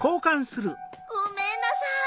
ごめんなさい。